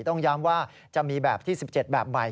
ต้องย้ำว่าจะมีแบบที่๑๗แบบใหม่